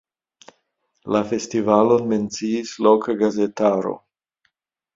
La festivalon menciis loka gazetaro.